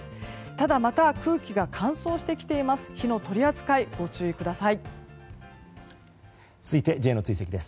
ただ、また空気が乾燥してきています。